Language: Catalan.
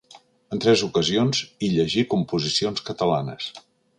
En tres ocasions, hi llegí composicions catalanes.